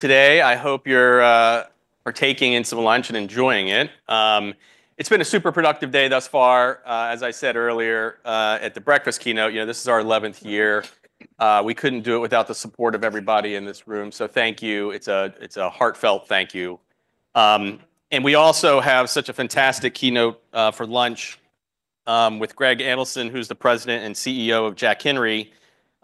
Today, I hope you're taking in some lunch and enjoying it. It's been a super productive day thus far. As I said earlier at the breakfast keynote, this is our 11th year. We couldn't do it without the support of everybody in this room, so thank you. It's a heartfelt thank you. We also have such a fantastic keynote for lunch with Greg Adelson, who's the President and CEO of Jack Henry.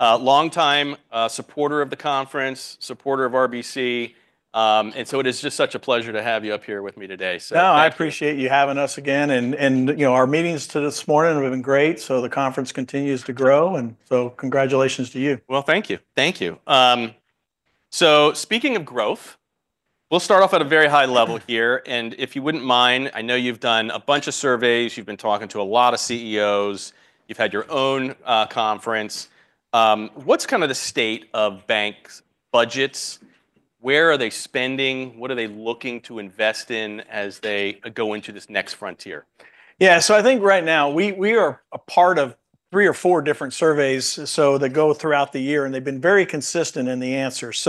Long time supporter of the conference, supporter of RBC, it is just such a pleasure to have you up here with me today, so thank you. No, I appreciate you having us again. Our meetings this morning have been great. The conference continues to grow, congratulations to you. Well, thank you. Speaking of growth, we'll start off at a very high level here. If you wouldn't mind, I know you've done a bunch of surveys, you've been talking to a lot of CEOs. You've had your own conference. What's the state of banks' budgets? Where are they spending? What are they looking to invest in as they go into this next frontier? Yeah. I think right now we are a part of three or four different surveys, they go throughout the year, and they've been very consistent in the answers.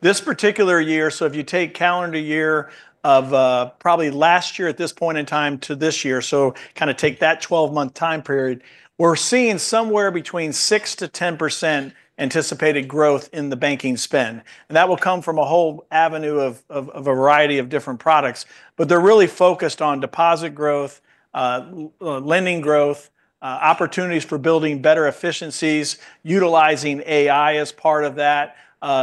This particular year, if you take calendar year of probably last year at this point in time to this year, take that 12-month time period, we're seeing somewhere between 6%-10% anticipated growth in the banking spend. That will come from a whole avenue of a variety of different products. They're really focused on deposit growth, lending growth, opportunities for building better efficiencies, utilizing AI as part of that,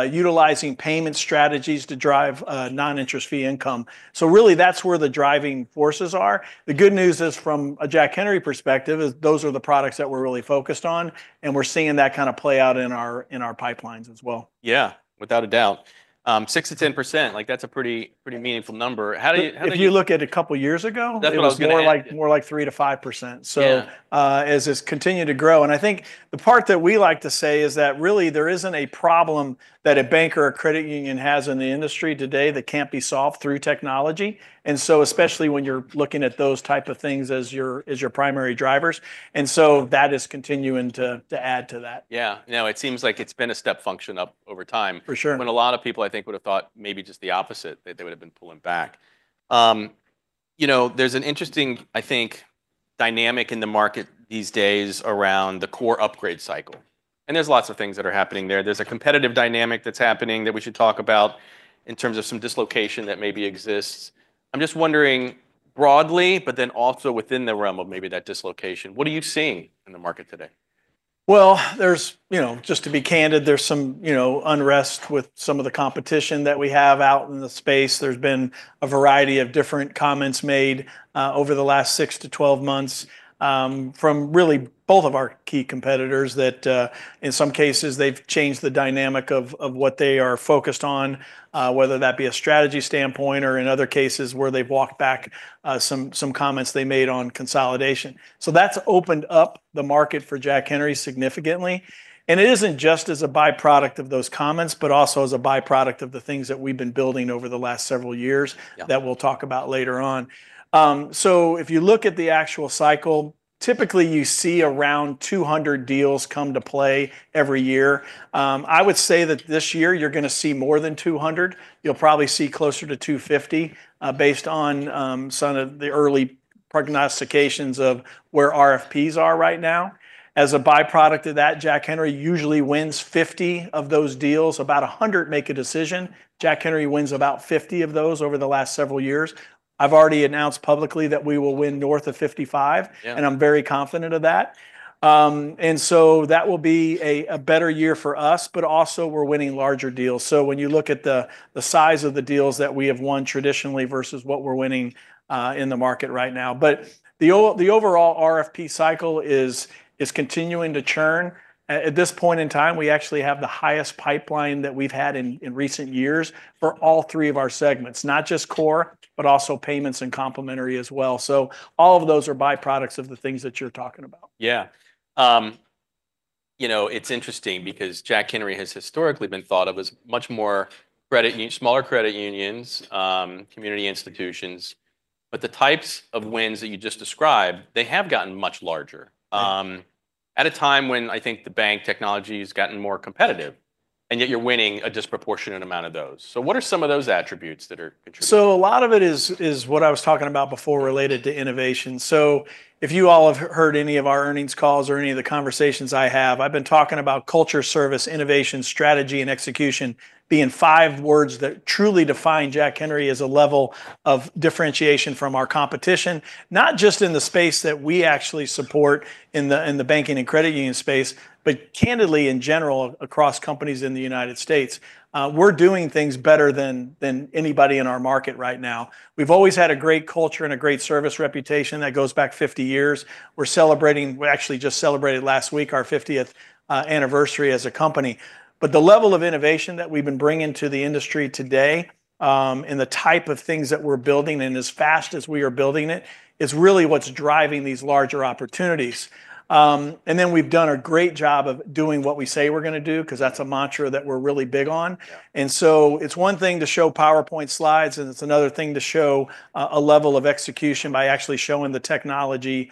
utilizing payment strategies to drive non-interest fee income. Really, that's where the driving forces are. The good news is from a Jack Henry perspective is those are the products that we're really focused on, and we're seeing that play out in our pipelines as well. Yeah, without a doubt. 6%-10%, that's a pretty meaningful number. How do you? If you look at a couple of years ago, it was more like 3%-5%. As it's continued to grow, I think the part that we like to say is that really there isn't a problem that a bank or a credit union has in the industry today that can't be solved through technology, especially when you're looking at those type of things as your primary drivers. That is continuing to add to that. Yeah. No, it seems like it's been a step function up over time. For sure. When a lot of people, I think, would've thought maybe just the opposite, that they would've been pulling back. There's an interesting, I think, dynamic in the market these days around the core upgrade cycle, and there's lots of things that are happening there. There's a competitive dynamic that's happening that we should talk about in terms of some dislocation that maybe exists. I'm just wondering broadly, also within the realm of maybe that dislocation, what are you seeing in the market today? Well, just to be candid, there's some unrest with some of the competition that we have out in the space. There's been a variety of different comments made over the last 6 to 12 months from really both of our key competitors that in some cases they've changed the dynamic of what they are focused on, whether that be a strategy standpoint or in other cases where they've walked back some comments they made on consolidation. That's opened up the market for Jack Henry significantly, and it isn't just as a by-product of those comments, but also as a by-product of the things that we've been building over the last several years that we'll talk about later on. If you look at the actual cycle, typically you see around 200 deals come to play every year. I would say that this year you're going to see more than 200. You'll probably see closer to 250 based on some of the early prognostications of where RFPs are right now. As a by-product of that, Jack Henry usually wins 50 of those deals. About 100 make a decision. Jack Henry wins about 50 of those over the last several years. I've already announced publicly that we will win north of 55. I'm very confident of that. That will be a better year for us, but also we're winning larger deals, so when you look at the size of the deals that we have won traditionally versus what we're winning in the market right now. The overall RFP cycle is continuing to churn. At this point in time, we actually have the highest pipeline that we've had in recent years for all three of our segments. Not just core, but also payments and complementary as well. All of those are by-products of the things that you're talking about. Yeah. It's interesting because Jack Henry has historically been thought of as much more smaller credit unions, community institutions. The types of wins that you just described, they have gotten much larger. At a time when I think the bank technology has gotten more competitive, yet you're winning a disproportionate amount of those. What are some of those attributes that are contributing? A lot of it is what I was talking about before related to innovation. If you all have heard any of our earnings calls or any of the conversations I have, I've been talking about culture, service, innovation, strategy, and execution being five words that truly define Jack Henry as a level of differentiation from our competition, not just in the space that we actually support in the banking and credit union space, but candidly in general across companies in the U.S. We're doing things better than anybody in our market right now. We've always had a great culture and a great service reputation that goes back 50 years. We actually just celebrated last week our 50th anniversary as a company. The level of innovation that we've been bringing to the industry today, and the type of things that we're building and as fast as we are building it, is really what's driving these larger opportunities. We've done a great job of doing what we say we're going to do because that's a mantra that we're really big on. It's one thing to show PowerPoint slides, and it's another thing to show a level of execution by actually showing the technology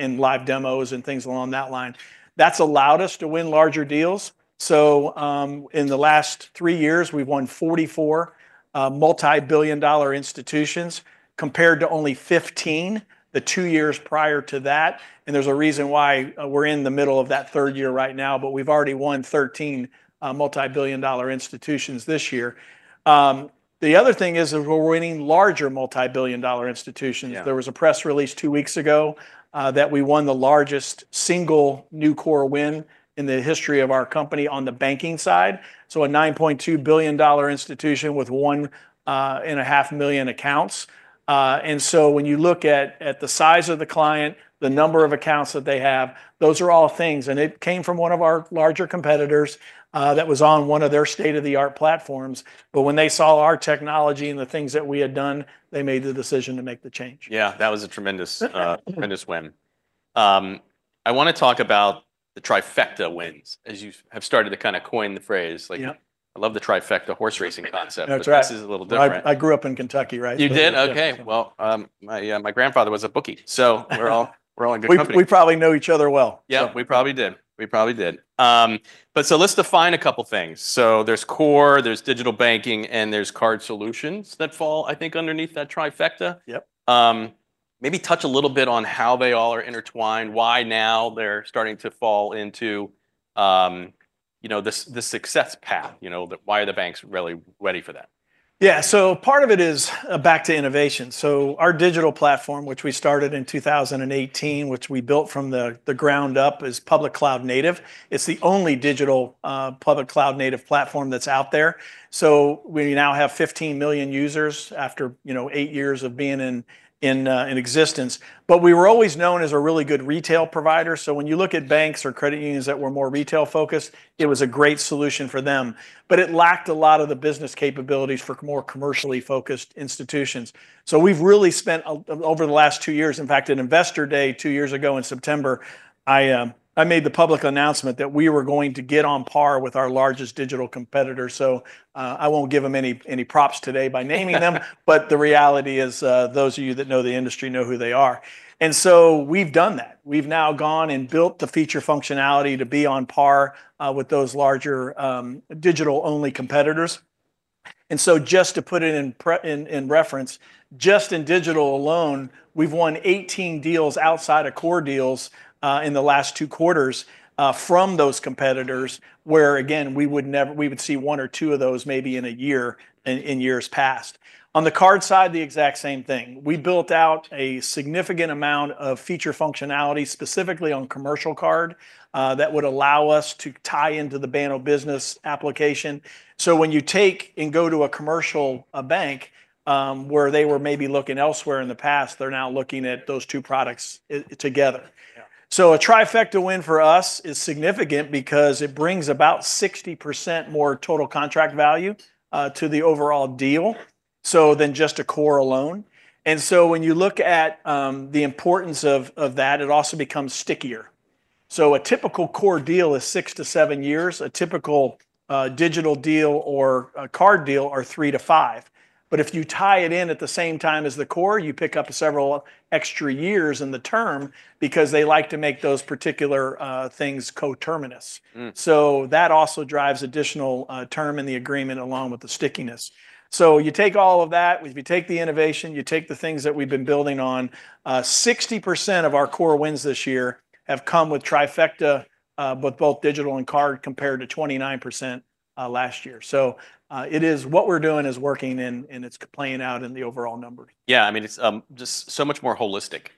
in live demos and things along that line. That's allowed us to win larger deals. In the last three years, we've won 44 multibillion-dollar institutions compared to only 15 the two years prior to that, and there's a reason why we're in the middle of that third year right now, but we've already won 13 multibillion-dollar institutions this year. The other thing is that we're winning larger multibillion-dollar institutions. There was a press release two weeks ago that we won the largest single new core win in the history of our company on the banking side. A $9.2 billion institution with 1.5 million accounts. When you look at the size of the client, the number of accounts that they have, those are all things, and it came from one of our larger competitors that was on one of their state-of-the-art platforms. When they saw our technology and the things that we had done, they made the decision to make the change. Yeah, that was a tremendous win. I want to talk about the trifecta wins, as you have started to coin the phrase. I love the trifecta horse racing concept. That's right. This is a little different. I grew up in Kentucky, right? You did? Okay. My grandfather was a bookie, so we're all in good company. We probably know each other well. Yeah, we probably did. Let's define a couple things. There's core, there's digital banking, and there's card solutions that fall, I think, underneath that trifecta. Maybe touch a little bit on how they all are intertwined, why now they're starting to fall into the success path. Why are the banks really ready for that? Yeah. Part of it is back to innovation. Our digital platform, which we started in 2018, which we built from the ground up, is public cloud native. It's the only digital public cloud native platform that's out there. We now have 15 million users after eight years of being in existence. We were always known as a really good retail provider, so when you look at banks or credit unions that were more retail-focused, it was a great solution for them, but it lacked a lot of the business capabilities for more commercially-focused institutions. We've really spent over the last two years, in fact, at Investor Day two years ago in September, I made the public announcement that we were going to get on par with our largest digital competitor. I won't give them any props today by naming them. The reality is, those of you that know the industry know who they are. We've done that. We've now gone and built the feature functionality to be on par with those larger digital-only competitors. Just to put it in reference, just in digital alone, we've won 18 deals outside of core deals in the last two quarters from those competitors, where again, we would see one or two of those maybe in a year in years past. On the card side, the exact same thing. We built out a significant amount of feature functionality, specifically on commercial card, that would allow us to tie into the Banno business application. When you take and go to a commercial bank, where they were maybe looking elsewhere in the past, they're now looking at those two products together. A trifecta win for us is significant because it brings about 60% more total contract value to the overall deal, so than just a core alone. When you look at the importance of that, it also becomes stickier. A typical core deal is six to seven years. A typical digital deal or a card deal are three to five. If you tie it in at the same time as the core, you pick up several extra years in the term because they like to make those particular things coterminous. That also drives additional term in the agreement along with the stickiness. You take all of that, if you take the innovation, you take the things that we've been building on, 60% of our core wins this year have come with trifecta, with both digital and card, compared to 29% last year. What we're doing is working and it's playing out in the overall numbers. Yeah, it's just so much more holistic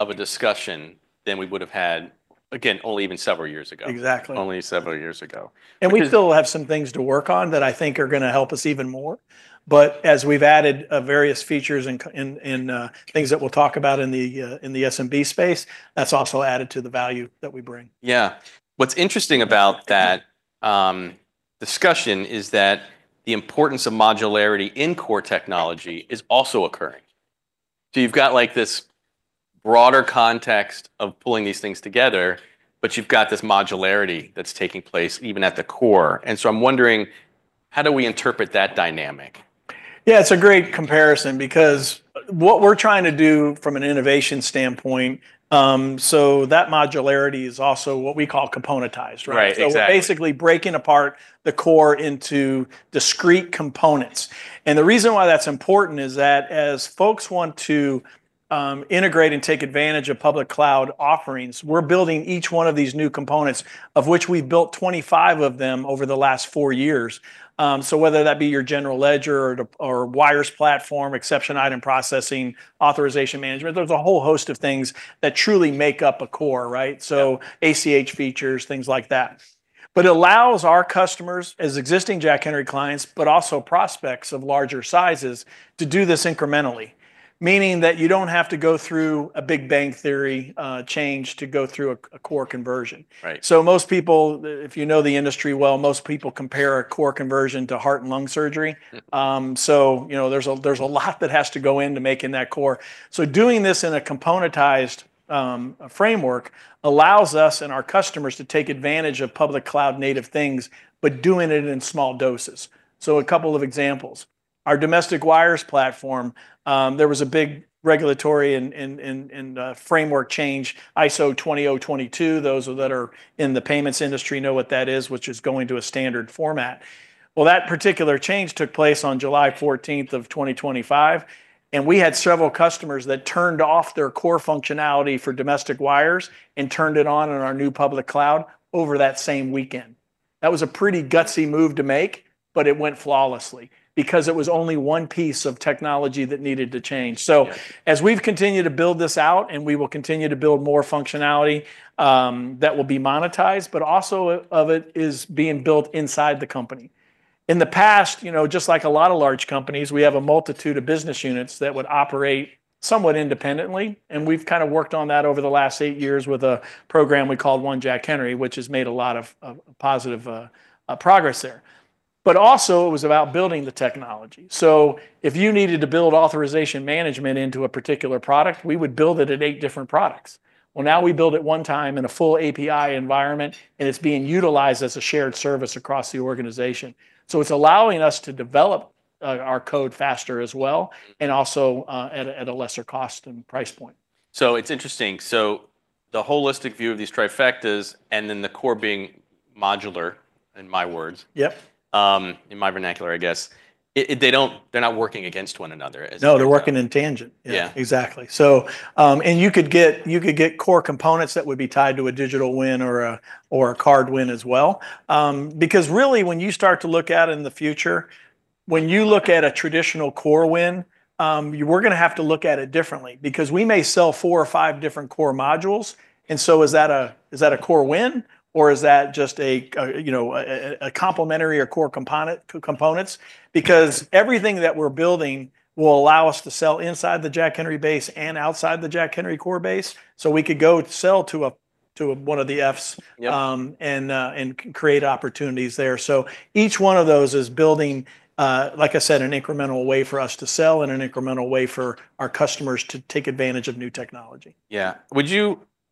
of a discussion than we would've had, again, only even several years ago. Exactly. We still have some things to work on that I think are going to help us even more. As we've added various features and things that we'll talk about in the SMB space, that's also added to the value that we bring. Yeah. What's interesting about that discussion is that the importance of modularity in core technology is also occurring. You've got this broader context of pulling these things together, but you've got this modularity that's taking place even at the core. I'm wondering, how do we interpret that dynamic? Yeah, it's a great comparison because what we're trying to do from an innovation standpoint, that modularity is also what we call componentized, right? Right. Exactly. We're basically breaking apart the core into discrete components. The reason why that's important is that as folks want to integrate and take advantage of public cloud offerings, we're building each one of these new components, of which we've built 25 of them over the last four years. Whether that be your general ledger or wires platform, exception item processing, authorization management, there's a whole host of things that truly make up a core, right? ACH features, things like that. It allows our customers, as existing Jack Henry clients, also prospects of larger sizes, to do this incrementally, meaning that you don't have to go through a big bang theory change to go through a core conversion. Most people, if you know the industry well, most people compare a core conversion to heart and lung surgery. There's a lot that has to go in to making that core. Doing this in a componentized framework allows us and our customers to take advantage of public cloud native things, but doing it in small doses. A couple of examples. Our domestic wires platform, there was a big regulatory and framework change, ISO 20022, those that are in the payments industry know what that is, which is going to a standard format. Well, that particular change took place on July 14th of 2025, and we had several customers that turned off their core functionality for domestic wires and turned it on in our new public cloud over that same weekend. That was a pretty gutsy move to make, but it went flawlessly because it was only one piece of technology that needed to change. As we've continued to build this out, and we will continue to build more functionality that will be monetized, but also of it is being built inside the company. In the past, just like a lot of large companies, we have a multitude of business units that would operate somewhat independently, and we've worked on that over the last eight years with a program we called One Jack Henry, which has made a lot of positive progress there. Also it was about building the technology. If you needed to build authorization management into a particular product, we would build it in eight different products. Well, now we build it one time in a full API environment, and it's being utilized as a shared service across the organization. It's allowing us to develop our code faster as well, and also at a lesser cost and price point. It's interesting. The holistic view of these trifectas and then the core being modular, in my words, in my vernacular, I guess. They're not working against one another, is it fair to say? No, they're working in tangent. You could get core components that would be tied to a digital win or a card win as well. Really when you start to look out in the future, when you look at a traditional core win, we're going to have to look at it differently because we may sell four or five different core modules. Is that a core win, or is that just a complementary or core components? Everything that we're building will allow us to sell inside the Jack Henry base and outside the Jack Henry core base. We could go sell to one of the Fs and create opportunities there. Each one of those is building, like I said, an incremental way for us to sell and an incremental way for our customers to take advantage of new technology. Yeah.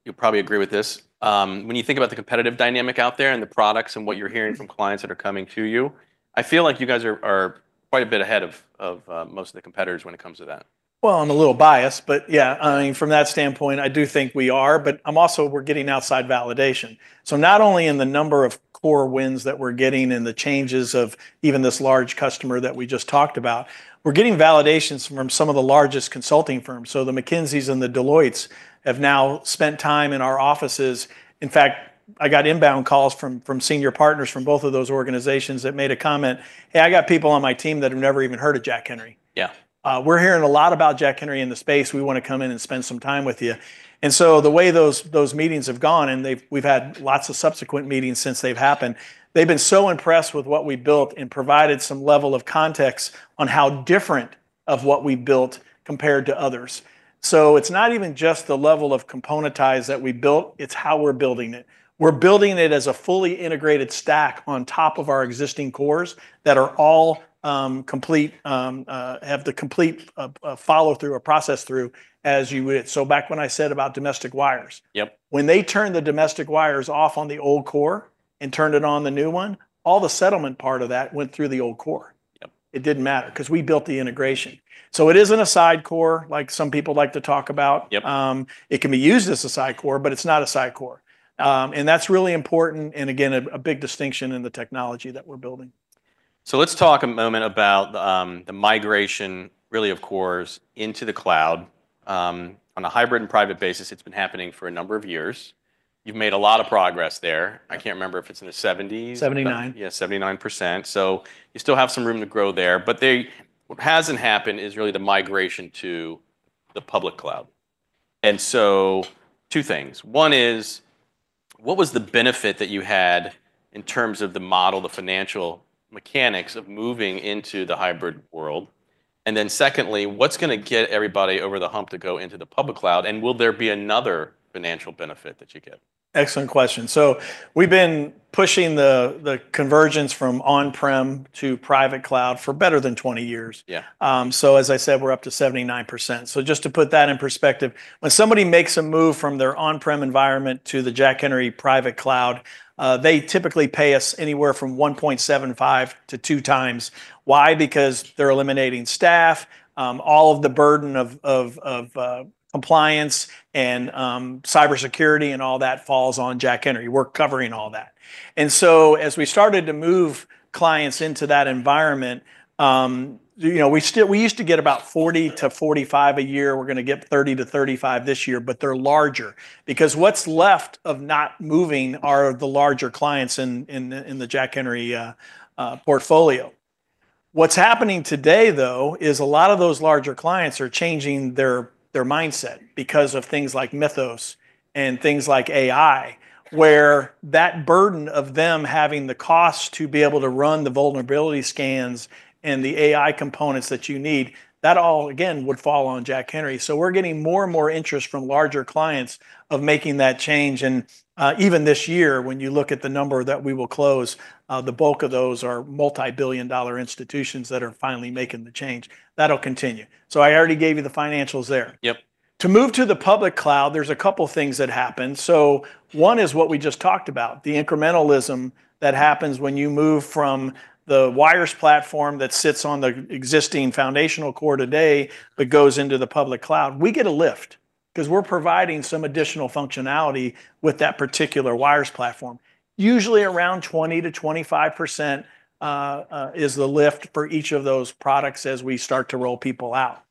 You'll probably agree with this. When you think about the competitive dynamic out there and the products and what you're hearing from clients that are coming to you, I feel like you guys are quite a bit ahead of most of the competitors when it comes to that. Well, I'm a little biased, but yeah. From that standpoint, I do think we are. Also we're getting outside validation. Not only in the number of core wins that we're getting and the changes of even this large customer that we just talked about. We're getting validations from some of the largest consulting firms. The McKinsey and the Deloitte have now spent time in our offices. In fact, I got inbound calls from senior partners from both of those organizations that made a comment, "Hey, I got people on my team that have never even heard of Jack Henry. We're hearing a lot about Jack Henry in the space. We want to come in and spend some time with you." The way those meetings have gone, and we've had lots of subsequent meetings since they've happened. They've been so impressed with what we built and provided some level of context on how different of what we built compared to others. It's not even just the level of componentized that we built, it's how we're building it. We're building it as a fully integrated stack on top of our existing cores that are all complete, have the complete follow-through or process through as you would. Back when I said about domestic wires. When they turned the domestic wires off on the old core and turned it on the new one, all the settlement part of that went through the old core. It didn't matter because we built the integration. It isn't a side core like some people like to talk about. It can be used as a side core, but it's not a side core. That's really important and again, a big distinction in the technology that we're building. Let's talk a moment about the migration really of cores into the cloud. On a hybrid and private basis, it's been happening for a number of years. You've made a lot of progress there. I can't remember if it's in the 79%. You still have some room to grow there. What hasn't happened is really the migration to the public cloud. Two things. One is what was the benefit that you had in terms of the model, the financial mechanics of moving into the hybrid world? Then secondly, what's going to get everybody over the hump to go into the public cloud, and will there be another financial benefit that you get? Excellent question. We've been pushing the convergence from on-prem to private cloud for better than 20 years. As I said, we're up to 79%. Just to put that in perspective, when somebody makes a move from their on-prem environment to the Jack Henry private cloud, they typically pay us anywhere from 1.75x-2x. Why? Because they're eliminating staff. All of the burden of compliance and cybersecurity and all that falls on Jack Henry. We're covering all that. As we started to move clients into that environment, we used to get about 40-45 a year. We're going to get 30-35 this year, but they're larger. Because what's left of not moving are the larger clients in the Jack Henry portfolio. What's happening today though is a lot of those larger clients are changing their mindset because of things like Mythos and things like AI, where that burden of them having the cost to be able to run the vulnerability scans and the AI components that you need, that all again would fall on Jack Henry. We're getting more and more interest from larger clients of making that change. Even this year, when you look at the number that we will close, the bulk of those are multi-billion dollar institutions that are finally making the change. That'll continue. I already gave you the financials there. To move to the public cloud, there's a couple things that happen. One is what we just talked about, the incrementalism that happens when you move from the wires platform that sits on the existing foundational core today, but goes into the public cloud. We get a lift because we're providing some additional functionality with that particular wires platform. Usually around 20%-25% is the lift for each of those products as we start to roll people out.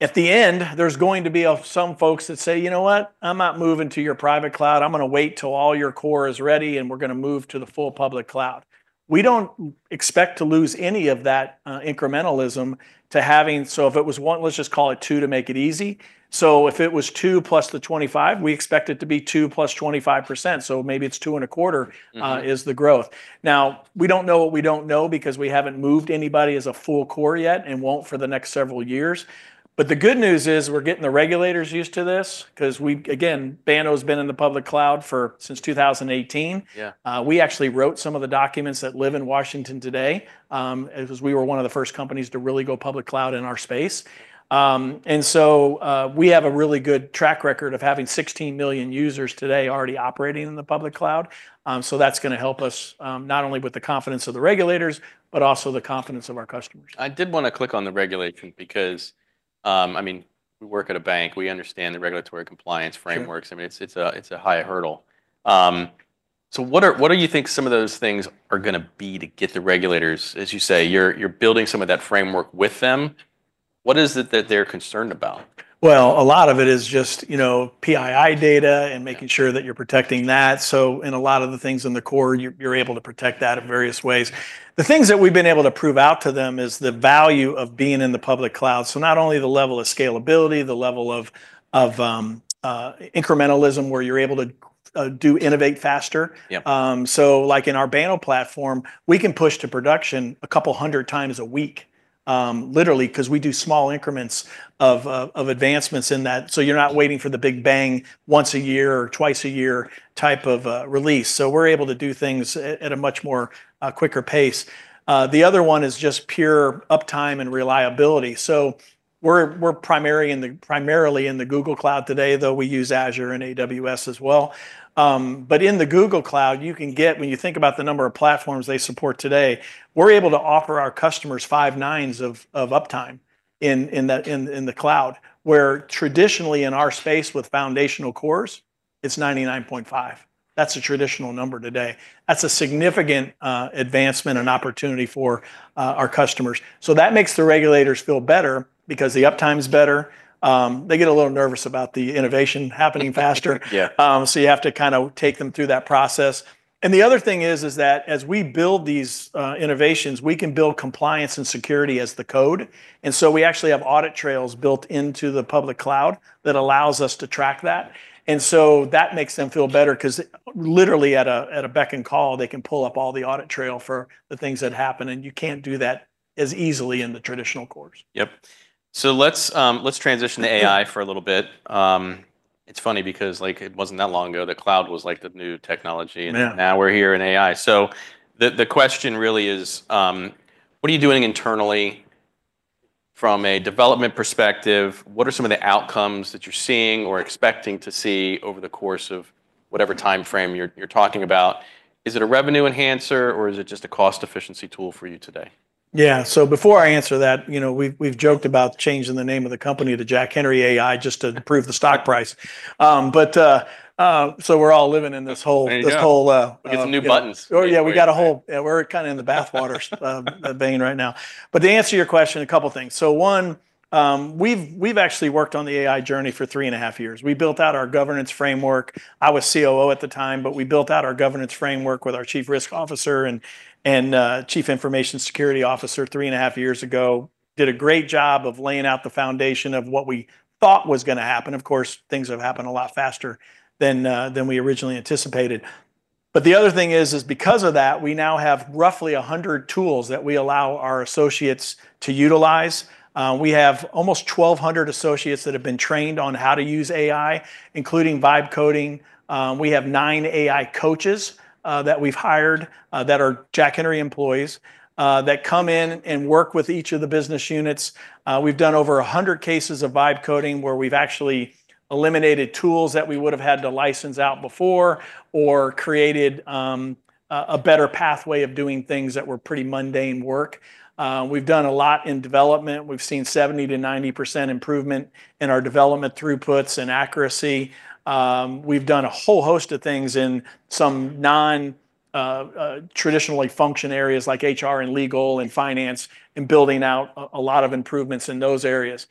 At the end, there's going to be some folks that say, "You know what? I'm not moving to your private cloud. I'm going to wait till all your core is ready, and we're going to move to the full public cloud." We don't expect to lose any of that incrementalism. If it was one, let's just call it two to make it easy. If it was 2% + 25%, we expect it to be 2% + 25%. Maybe it's 2.25% Is the growth. We don't know what we don't know because we haven't moved anybody as a full core yet and won't for the next several years. The good news is we're getting the regulators used to this because, again, Banno's been in the public cloud since 2018. We actually wrote some of the documents that live in Washington today, because we were one of the first companies to really go public cloud in our space. We have a really good track record of having 16 million users today already operating in the public cloud. That's going to help us, not only with the confidence of the regulators, but also the confidence of our customers. I did want to click on the regulation because, we work at a bank, we understand the regulatory compliance frameworks. It's a high hurdle. What do you think some of those things are going to be to get the regulators, as you say, you're building some of that framework with them. What is it that they're concerned about? Well, a lot of it is just PII data and making sure that you're protecting that. In a lot of the things in the core, you're able to protect that in various ways. The things that we've been able to prove out to them is the value of being in the public cloud. Not only the level of scalability, the level of incrementalism where you're able to innovate faster. Like in our Banno platform, we can push to production a couple hundred times a week, literally because we do small increments of advancements in that. You're not waiting for the big bang once a year or twice a year type of release. We're able to do things at a much more quicker pace. The other one is just pure uptime and reliability. We're primarily in the Google Cloud today, though we use Azure and AWS as well. In the Google Cloud, you can get, when you think about the number of platforms they support today, we're able to offer our customers five nines of uptime in the cloud, where traditionally in our space with foundational cores, it's 99.5. That's a traditional number today. That's a significant advancement and opportunity for our customers. That makes the regulators feel better because the uptime's better. They get a little nervous about the innovation happening faster. You have to take them through that process. The other thing is that as we build these innovations, we can build compliance and security as the code. We actually have audit trails built into the public cloud that allows us to track that. That makes them feel better because literally at a beck and call, they can pull up all the audit trail for the things that happen, and you can't do that as easily in the traditional course. Yep. Let's transition to AI for a little bit. It's funny because it wasn't that long ago that cloud was the new technology. Now we're here in AI. The question really is, what are you doing internally from a development perspective? What are some of the outcomes that you're seeing or expecting to see over the course of whatever timeframe you're talking about? Is it a revenue enhancer or is it just a cost efficiency tool for you today? Yeah. Before I answer that, we've joked about changing the name of the company to Jack Henry AI just to improve the stock price. There you go. Get some new buttons. We're kind of in the bathwater of Bain right now. To answer your question, one, we've actually worked on the AI journey for three and a half years. We built out our governance framework. I was COO at the time, we built out our governance framework with our chief risk officer and chief information security officer three and a half years ago. Did a great job of laying out the foundation of what we thought was going to happen. Of course, things have happened a lot faster than we originally anticipated. The other thing is, because of that, we now have roughly 100 tools that we allow our associates to utilize. We have almost 1,200 associates that have been trained on how to use AI, including vibe coding. We have nine AI coaches that we've hired, that are Jack Henry employees, that come in and work with each of the business units. We've done over 100 cases of vibe coding where we've actually eliminated tools that we would've had to license out before or created a better pathway of doing things that were pretty mundane work. We've done a lot in development. We've seen 70%-90% improvement in our development throughputs and accuracy. We've done a whole host of things in some non-traditional function areas like HR and legal and finance and building out a lot of improvements in those areas.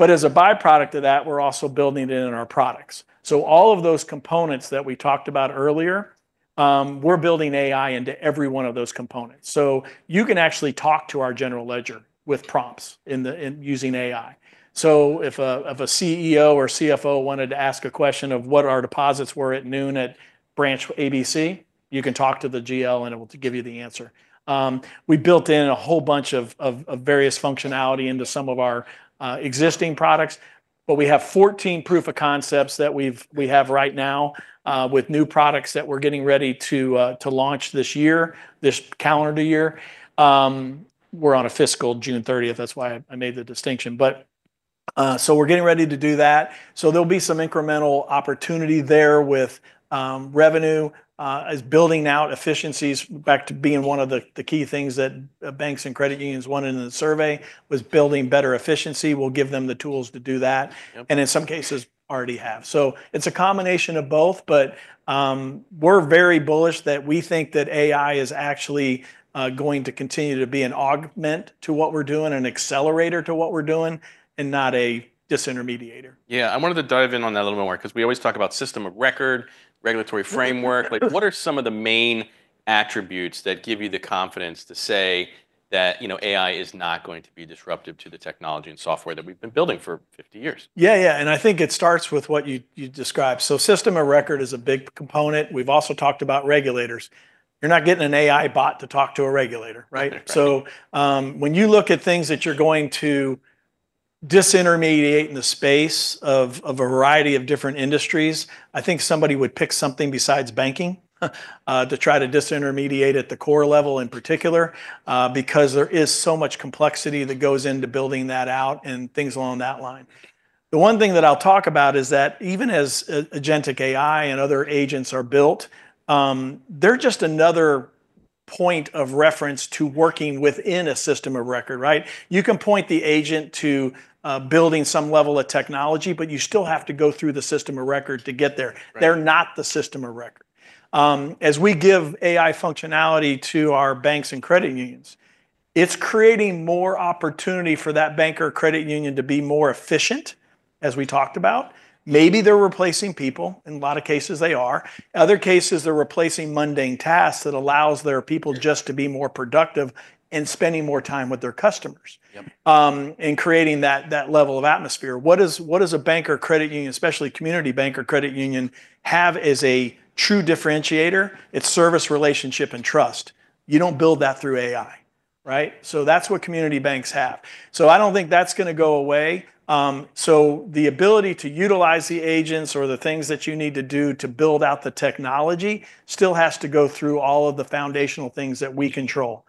As a byproduct of that, we're also building it into our products. All of those components that we talked about earlier, we're building AI into every one of those components. You can actually talk to our general ledger with prompts using AI. If a CEO or CFO wanted to ask a question of what our deposits were at noon at branch ABC, you can talk to the GL and it will give you the answer. We built in a whole bunch of various functionality into some of our existing products. We have 14 proof of concepts that we have right now, with new products that we're getting ready to launch this year, this calendar year. We're on a fiscal June 30th. That's why I made the distinction. We're getting ready to do that. There'll be some incremental opportunity there with revenue, as building out efficiencies back to being one of the key things that banks and credit unions wanted in the survey, was building better efficiency. We'll give them the tools to do that. In some cases, already have. It's a combination of both, we're very bullish that we think that AI is actually going to continue to be an augment to what we're doing, an accelerator to what we're doing, and not a disintermediator. Yeah. I wanted to dive in on that a little more, because we always talk about system of record, regulatory framework. What are some of the main attributes that give you the confidence to say that AI is not going to be disruptive to the technology and software that we've been building for 50 years? Yeah. I think it starts with what you described. System of record is a big component. We've also talked about regulators. You're not getting an AI bot to talk to a regulator, right? When you look at things that you're going to disintermediate in the space of a variety of different industries, I think somebody would pick something besides banking to try to disintermediate at the core level in particular, because there is so much complexity that goes into building that out and things along that line. The one thing that I'll talk about is that even as agentic AI and other agents are built, they're just another point of reference to working within a system of record, right? You can point the agent to building some level of technology, but you still have to go through the system of record to get there. They're not the system of record. As we give AI functionality to our banks and credit unions, it's creating more opportunity for that bank or credit union to be more efficient, as we talked about. Maybe they're replacing people. In a lot of cases, they are. Other cases, they're replacing mundane tasks that allows their people just to be more productive and spending more time with their customers and creating that level of atmosphere. What does a bank or credit union, especially community bank or credit union, have as a true differentiator? It's service, relationship, and trust. You don't build that through AI. That's what community banks have. I don't think that's going to go away. The ability to utilize the agents or the things that you need to do to build out the technology still has to go through all of the foundational things that we control,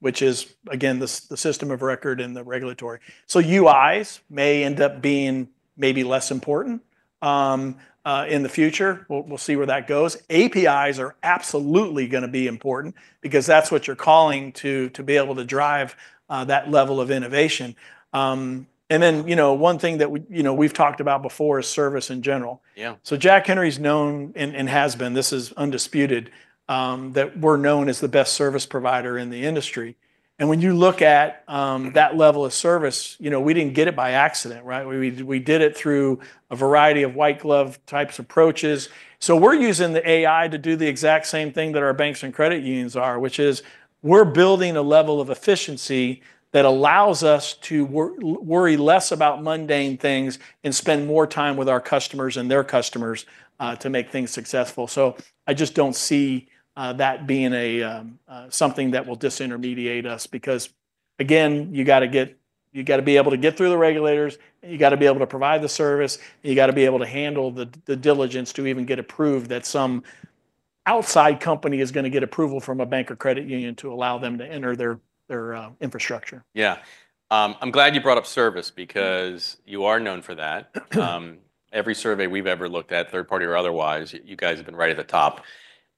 which is, again, the system of record and the regulatory. UIs may end up being maybe less important in the future. We'll see where that goes. APIs are absolutely going to be important because that's what you're calling to be able to drive that level of innovation. Then, one thing that we've talked about before is service in general. Jack Henry's known, and has been, this is undisputed, that we're known as the best service provider in the industry. When you look at that level of service, we didn't get it by accident, right? We did it through a variety of white glove types approaches. We're using the AI to do the exact same thing that our banks and credit unions are, which is we're building a level of efficiency that allows us to worry less about mundane things and spend more time with our customers and their customers to make things successful. I just don't see that being something that will disintermediate us, because, again, you got to be able to get through the regulators, and you got to be able to provide the service, and you got to be able to handle the diligence to even get approved that some outside company is going to get approval from a bank or credit union to allow them to enter their infrastructure. Yeah. I'm glad you brought up service because you are known for that. Every survey we've ever looked at, third party or otherwise, you guys have been right at the top.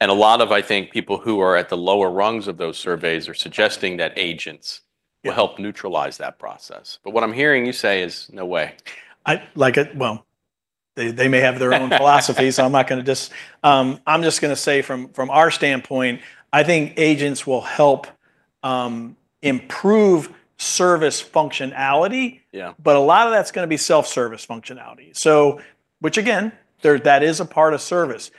A lot of, I think, people who are at the lower rungs of those surveys are suggesting that agents will help neutralize that process. What I'm hearing you say is, "No way. They may have their own philosophies. I'm just going to say from our standpoint, I think agents will help improve service functionality. A lot of that's going to be self-service functionality. Which again, that is a part of service.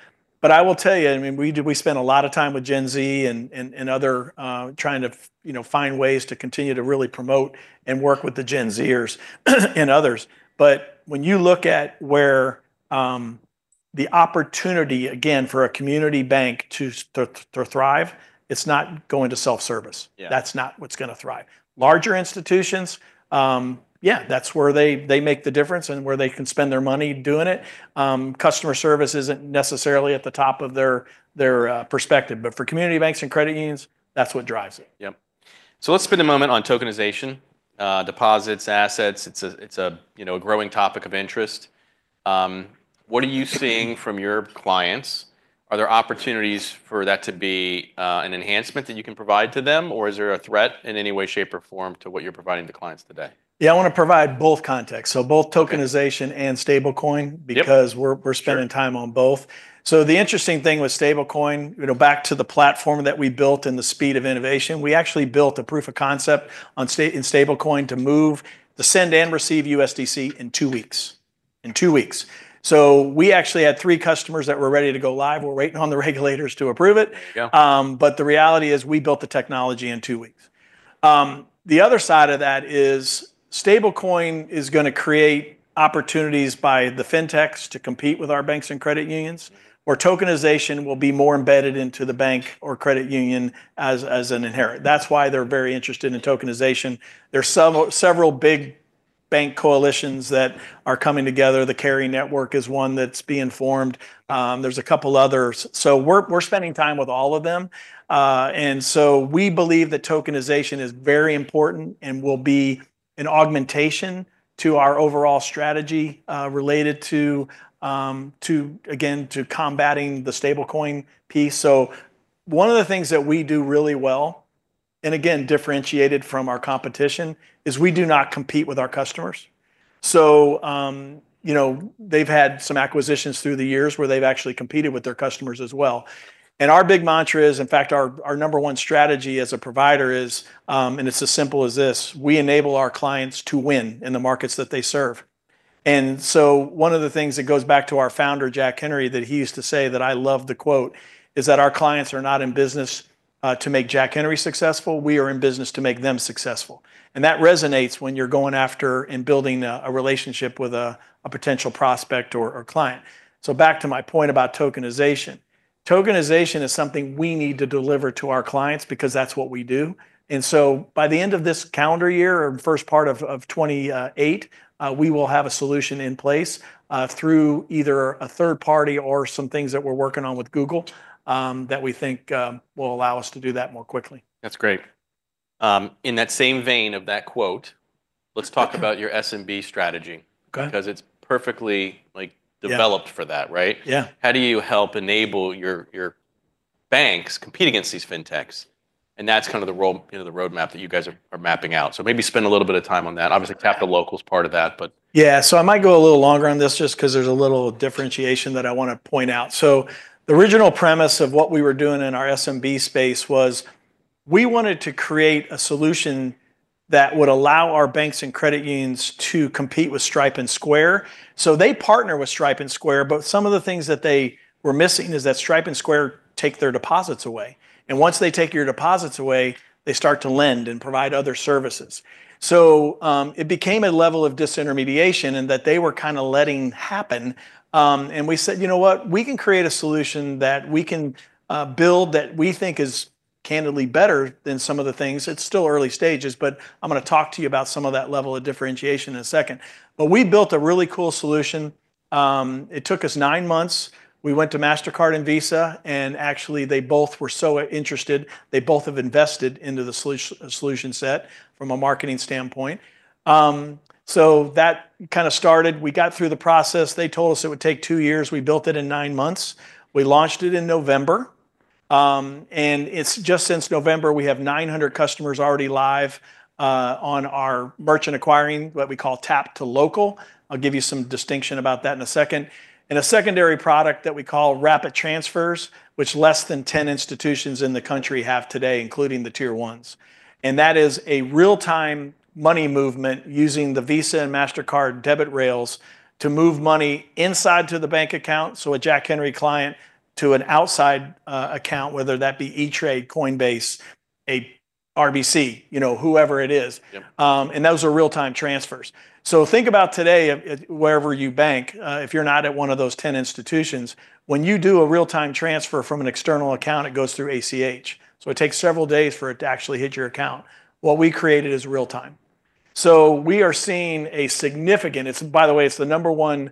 I will tell you, we spend a lot of time with Gen Z and other, trying to find ways to continue to really promote and work with the Gen Z-ers and others. When you look at where the opportunity, again, for a community bank to thrive, it's not going to self-service. That's not what's going to thrive. Larger institutions, yeah, that's where they make the difference and where they can spend their money doing it. Customer service isn't necessarily at the top of their perspective. For community banks and credit unions, that's what drives it. Yep. Let's spend a moment on tokenization. Deposits, assets, it's a growing topic of interest. What are you seeing from your clients? Are there opportunities for that to be an enhancement that you can provide to them, or is there a threat in any way, shape, or form to what you're providing to clients today? Yeah, I want to provide both contexts. Both tokenization and stablecoin, because we're spending time on both. The interesting thing with stablecoin, back to the platform that we built and the speed of innovation, we actually built a proof of concept in stablecoin to move the send and receive USDC in two weeks. We actually had three customers that were ready to go live, were waiting on the regulators to approve it. The reality is, we built the technology in two weeks. The other side of that is stablecoin is going to create opportunities by the fintechs to compete with our banks and credit unions, where tokenization will be more embedded into the bank or credit union as an inherent. That's why they're very interested in tokenization. There's several big bank coalitions that are coming together. The carry network is one that's being formed. There's a couple others. We're spending time with all of them. We believe that tokenization is very important and will be an augmentation to our overall strategy related to combating the stablecoin piece. One of the things that we do really well, and again, differentiated from our competition, is we do not compete with our customers. They've had some acquisitions through the years where they've actually competed with their customers as well. Our big mantra is, in fact, our number one strategy as a provider is, it's as simple as this: we enable our clients to win in the markets that they serve. One of the things that goes back to our founder, Jack Henry, that he used to say that I love the quote, is that our clients are not in business to make Jack Henry successful. We are in business to make them successful. That resonates when you're going after and building a relationship with a potential prospect or client. Back to my point about tokenization. Tokenization is something we need to deliver to our clients because that's what we do. By the end of this calendar year or first part of 2028, we will have a solution in place, through either a third party or some things that we're working on with Google, that we think will allow us to do that more quickly. That's great. In that same vein of that quote, let's talk about your SMB strategy. It's perfectly developed for that, right? Yeah. How do you help enable your banks compete against these fintechs? That's kind of the roadmap that you guys are mapping out. Maybe spend a little bit of time on that. Obviously, Tap to Local's part of that. Yeah. I might go a little longer on this just because there's a little differentiation that I want to point out. The original premise of what we were doing in our SMB space was we wanted to create a solution that would allow our banks and credit unions to compete with Stripe and Square. They partner with Stripe and Square, but some of the things that they were missing is that Stripe and Square take their deposits away. Once they take your deposits away, they start to lend and provide other services. It became a level of disintermediation and that they were kind of letting happen. We said, "You know what? We can create a solution that we can build that we think is candidly better than some of the things. It's still early stages, but I'm going to talk to you about some of that level of differentiation in a second. We built a really cool solution. It took us nine months. We went to Mastercard and Visa, actually they both were so interested, they both have invested into the solution set from a marketing standpoint. That kind of started. We got through the process. They told us it would take two years. We built it in nine months. We launched it in November. It's just since November, we have 900 customers already live on our merchant acquiring, what we call Tap to Local. I'll give you some distinction about that in a second. A secondary product that we call Rapid Transfers, which less than 10 institutions in the country have today, including the tier ones. That is a real-time money movement using the Visa and Mastercard debit rails to move money inside to the bank account, so a Jack Henry client, to an outside account, whether that be E-Trade, Coinbase, a RBC, whoever it is. Those are real-time transfers. Think about today, wherever you bank, if you're not at one of those 10 institutions, when you do a real-time transfer from an external account, it goes through ACH. It takes several days for it to actually hit your account. What we created is real-time. We are seeing a significant, by the way, it's the number one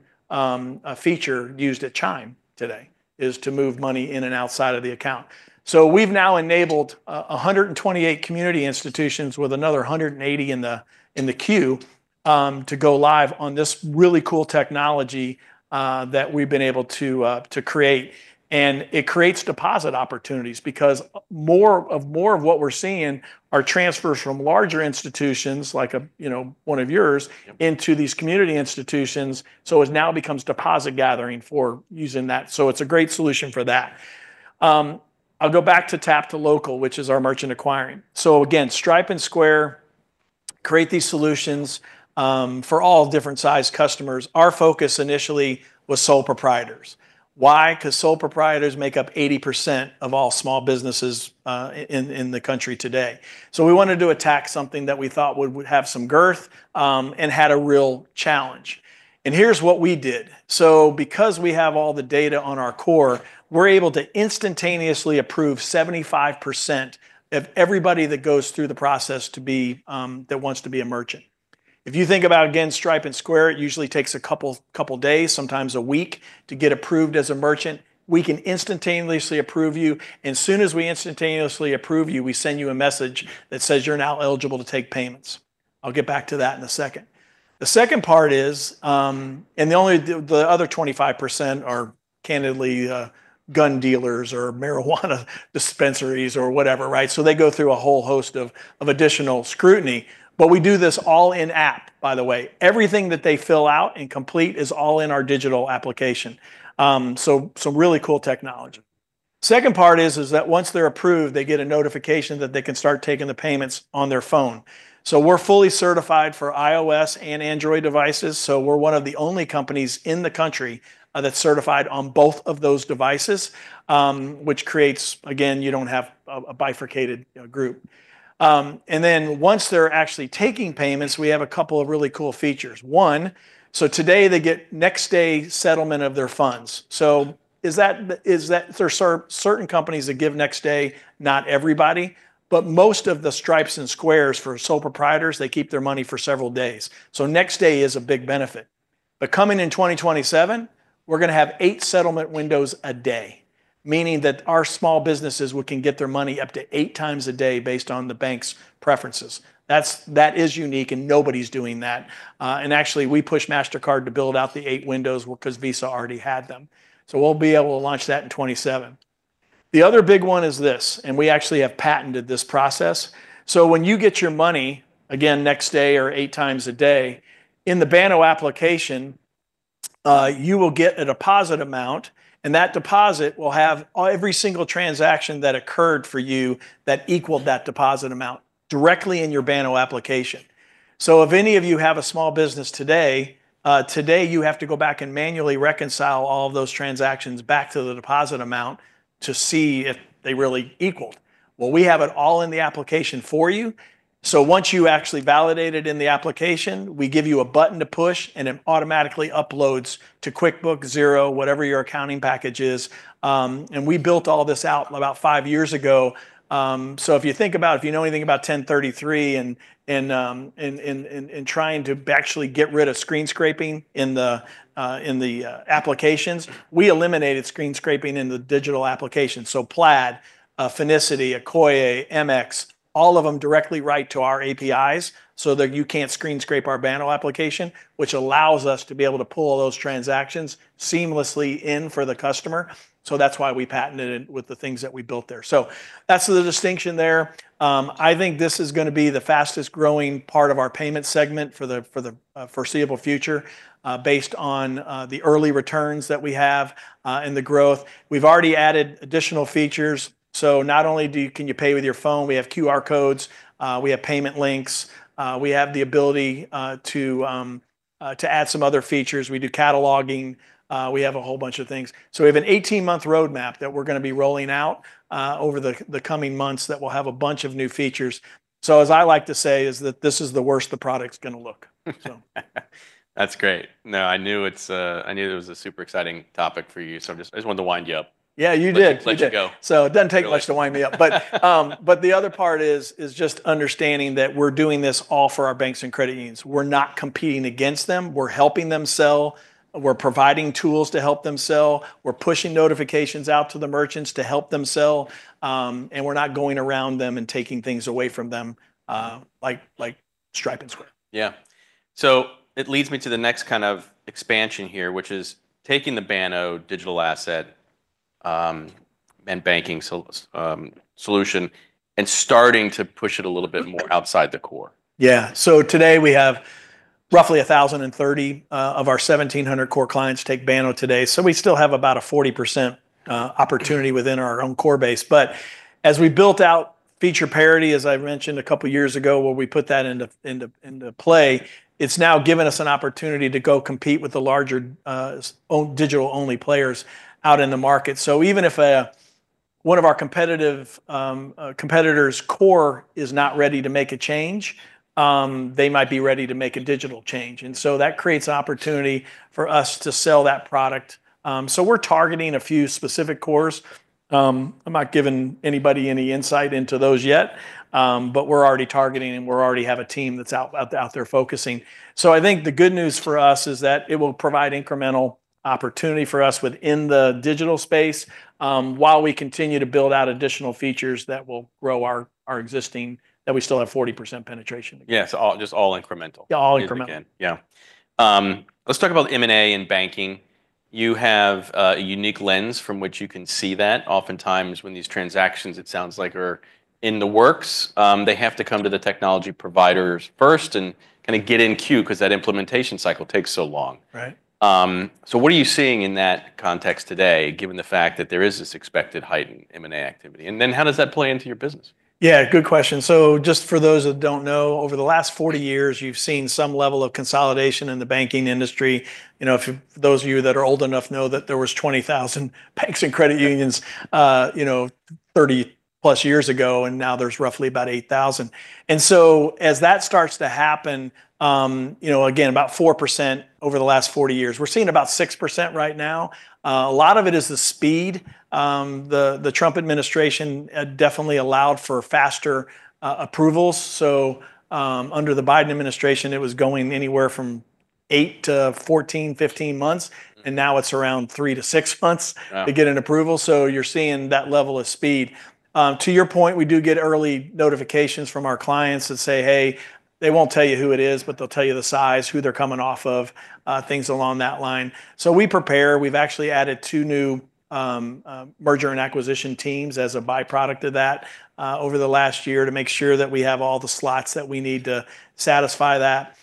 feature used at Chime today, is to move money in and outside of the account. We've now enabled 128 community institutions with another 180 in the queue to go live on this really cool technology, that we've been able to create. It creates deposit opportunities because more of what we're seeing are transfers from larger institutions like one of yours into these community institutions. It now becomes deposit gathering for using that. It's a great solution for that. I'll go back to Tap to Local, which is our merchant acquiring. Again, Stripe and Square create these solutions for all different size customers. Our focus initially was sole proprietors. Why? Because sole proprietors make up 80% of all small businesses in the country today. We wanted to attack something that we thought would have some girth, and had a real challenge. Here's what we did. Because we have all the data on our core, we're able to instantaneously approve 75% of everybody that goes through the process that wants to be a merchant. If you think about, again, Stripe and Square, it usually takes a couple days, sometimes a week, to get approved as a merchant. We can instantaneously approve you. As soon as we instantaneously approve you, we send you a message that says you're now eligible to take payments. I'll get back to that in a second. The second part is, the other 25% are candidly gun dealers or marijuana dispensaries or whatever. They go through a whole host of additional scrutiny. We do this all in-app, by the way. Everything that they fill out and complete is all in our digital application. Some really cool technology. Second part is that once they're approved, they get a notification that they can start taking the payments on their phone. We're fully certified for iOS and Android devices. We're one of the only companies in the country that's certified on both of those devices, which creates, again, you don't have a bifurcated group. Once they're actually taking payments, we have a couple of really cool features. One, today they get next-day settlement of their funds. There's certain companies that give next day, not everybody, but most of the Stripe and Square for sole proprietors, they keep their money for several days. Next day is a big benefit. Coming in 2027, we're going to have eight settlement windows a day, meaning that our small businesses can get their money up to eight times a day based on the bank's preferences. That is unique. Nobody's doing that. We pushed Mastercard to build out the eight windows because Visa already had them. We'll be able to launch that in 2027. The other big one is this. We actually have patented this process. When you get your money, again, next day or eight times a day, in the Banno application, you will get a deposit amount, and that deposit will have every single transaction that occurred for you that equaled that deposit amount directly in your Banno application. If any of you have a small business today you have to go back and manually reconcile all of those transactions back to the deposit amount to see if they really equaled. We have it all in the application for you. Once you actually validate it in the application, we give you a button to push, and it automatically uploads to QuickBooks, Xero, whatever your accounting package is. We built all this out about five years ago. If you know anything about 1033 and trying to actually get rid of screen scraping in the applications, we eliminated screen scraping in the digital application. Plaid, Finicity, Akoya, MX, all of them directly write to our APIs so that you can't screen scrape our Banno application, which allows us to be able to pull all those transactions seamlessly in for the customer. That's why we patented it with the things that we built there. That's the distinction there. I think this is going to be the fastest growing part of our payments segment for the foreseeable future based on the early returns that we have and the growth. We've already added additional features, not only can you pay with your phone, we have QR codes, we have payment links, we have the ability to add some other features. We do cataloging. We have a whole bunch of things. We have an 18-month roadmap that we're going to be rolling out over the coming months that will have a bunch of new features. As I like to say, is that this is the worst the product's going to look. That's great. No, I knew it was a super exciting topic for you, I just wanted to wind you up. Yeah, you did. You let you go. It doesn't take much to wind me up. The other part is just understanding that we're doing this all for our banks and credit unions. We're not competing against them. We're helping them sell. We're providing tools to help them sell. We're pushing notifications out to the merchants to help them sell, and we're not going around them and taking things away from them like Stripe and Square. Yeah. It leads me to the next expansion here, which is taking the Banno digital asset and banking solution and starting to push it a little bit more outside the core. Yeah. Today we have roughly 1,030 of our 1,700 core clients take Banno today. We still have about a 40% opportunity within our own core base. As we built out feature parity, as I mentioned a couple of years ago, where we put that into play, it's now given us an opportunity to go compete with the larger digital-only players out in the market. Even if one of our competitor's core is not ready to make a change, they might be ready to make a digital change. That creates opportunity for us to sell that product. We're targeting a few specific cores. I'm not giving anybody any insight into those yet, but we're already targeting them. We already have a team that's out there focusing. I think the good news for us is that it will provide incremental opportunity for us within the digital space while we continue to build out additional features that will grow our existing, that we still have 40% penetration. Yeah. Just all incremental. All incremental year to year. Let's talk about M&A and banking. You have a unique lens from which you can see that. Oftentimes, when these transactions, it sounds like, are in the works, they have to come to the technology providers first and get in queue because that implementation cycle takes so long. What are you seeing in that context today, given the fact that there is this expected heightened M&A activity? How does that play into your business? Good question. Just for those that don't know, over the last 40 years, you've seen some level of consolidation in the banking industry. Those of you that are old enough know that there was 20,000 banks and credit unions 30+ years ago, now there's roughly about 8,000. As that starts to happen, again, about 4% over the last 40 years. We're seeing about 6% right now. A lot of it is the speed. The Trump administration definitely allowed for faster approvals. Under the Biden administration, it was going anywhere from 8 to 14, 15 months, now it's around three to six months to get an approval. You're seeing that level of speed. To your point, we do get early notifications from our clients that say, "Hey," they won't tell you who it is, but they'll tell you the size, who they're coming off of, things along that line. We prepare. We've actually added two new merger and acquisition teams as a byproduct of that over the last year to make sure that we have all the slots that we need to satisfy that.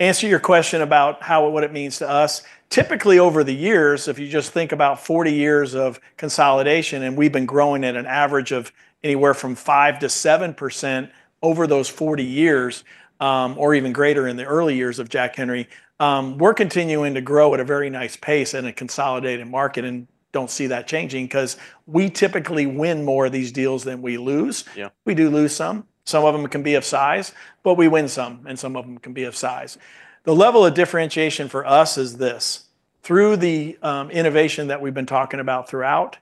Answer your question about what it means to us. Typically, over the years, if you just think about 40 years of consolidation, we've been growing at an average of anywhere from 5%-7% over those 40 years, or even greater in the early years of Jack Henry. Don't see that changing because we typically win more of these deals than we lose. We do lose some. Some of them can be of size. We win some, and some of them can be of size. The level of differentiation for us is this. Through the innovation that we've been talking about throughout,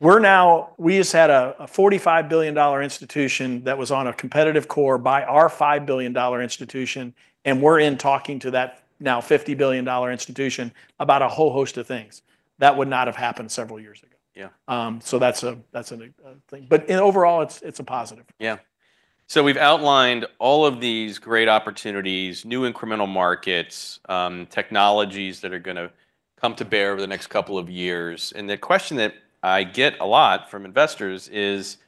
we just had a $45 billion institution that was on a competitive core buy our $5 billion institution. We're in talking to that now $50 billion institution about a whole host of things. That would not have happened several years ago. That's a big thing. Overall, it's a positive. Yeah. We've outlined all of these great opportunities, new incremental markets, technologies that are going to come to bear over the next couple of years. The question that I get a lot from investors is,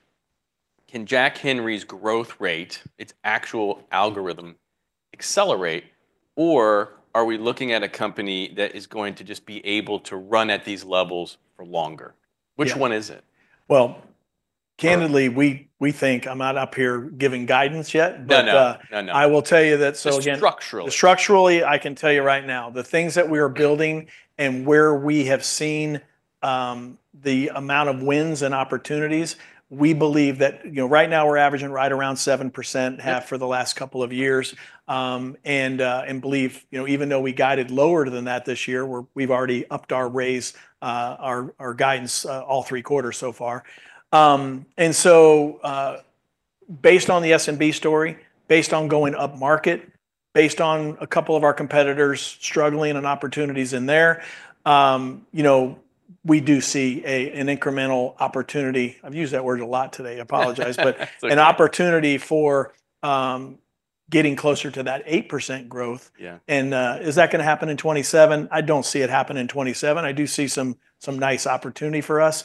can Jack Henry's growth rate, its actual algorithm, accelerate, or are we looking at a company that is going to just be able to run at these levels for longer? Which one is it? Well, candidly, we think I'm not up here giving guidance yet. I will tell you that. Just structurally. Structurally, I can tell you right now, the things that we are building and where we have seen the amount of wins and opportunities, we believe that right now we're averaging right around 7%, have for the last couple of years. Believe even though we guided lower than that this year, we've already upped our raise, our guidance all three quarters so far. Based on the SMB story, based on going up market, based on a couple of our competitors struggling and opportunities in there, we do see an incremental opportunity. I've used that word a lot today, I apologize. That's okay. An opportunity for getting closer to that 8% growth. Is that going to happen in 2027? I don't see it happening in 2027. I do see some nice opportunity for us.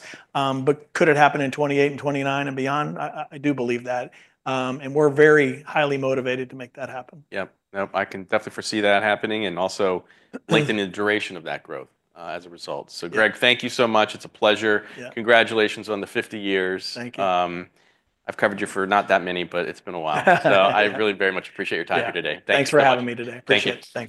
Could it happen in 2028 and 2029 and beyond? I do believe that. We're very highly motivated to make that happen. Yep. I can definitely foresee that happening, and also the length and the duration of that growth as a result. Greg, thank you so much. It's a pleasure. Congratulations on the 50 years. Thank you. I've covered you for not that many, but it's been a while. I really very much appreciate your time here today. Thanks. Thanks for having me today. Appreciate it. Thank you.